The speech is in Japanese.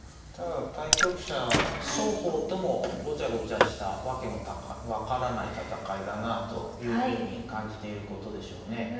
だから対局者は双方ともごちゃごちゃした訳の分からない戦いだなというふうに感じていることでしょうね。